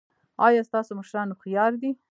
ایا ستاسو مشران هوښیار دي؟